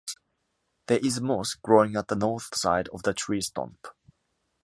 There is moss growing at the north side of the tree stump.